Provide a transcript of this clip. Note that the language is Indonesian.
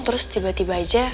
terus tiba tiba aja